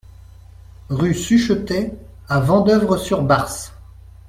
Rue Suchetet à Vendeuvre-sur-Barse